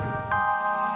gue sama bapaknya